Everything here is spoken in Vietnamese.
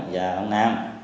và ông nam